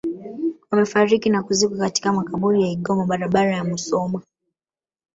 Wamefariki na kuzikwa katika makaburi ya Igoma barabara ya Musoma